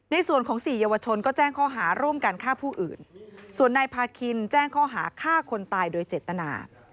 ในส่วนของสี่เยาวชนก็แจ้งข้อหาร่วมกันฆ่าผู้อื่นส่วนนายพาคินแจ้งข้อหาฆ่าคนตายโดยเจตนา